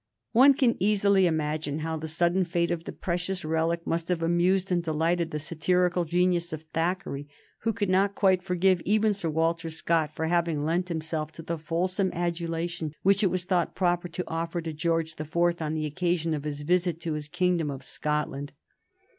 One can easily imagine how the sudden fate of the precious relic must have amused and delighted the satirical genius of Thackeray, who could not quite forgive even Sir Walter Scott for having lent himself to the fulsome adulation which it was thought proper to offer to George the Fourth on the occasion of his visit to his kingdom of Scotland.